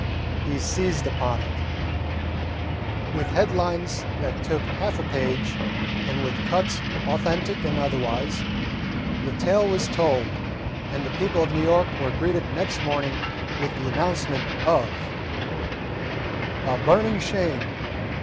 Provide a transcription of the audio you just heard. He seized upon it. With headlines that took half a page, and with cuts authentic and otherwise, the tale was told, and the people of New York were greeted next morning with the announcement of "A Burning Shame!